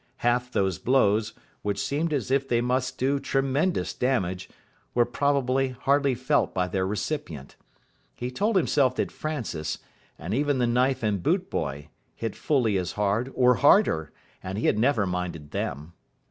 Half those blows, which seemed as if they must do tremendous damage, were probably hardly felt by their recipient. He told himself that Francis, and even the knife and boot boy, hit fully as hard, or harder, and he had never minded them.